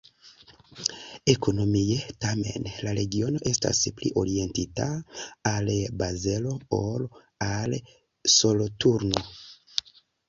Ekonomie tamen la regiono estas pli orientita al Bazelo ol al Soloturno.